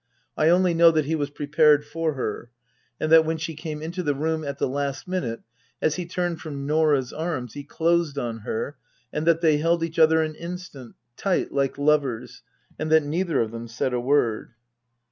I only know that he was prepared for her ; and that when she came into the room at the last minute, as he turned from Norah's arms, he closed on her, and that they held each other an instant tight, like lovers and that neither of them said a word.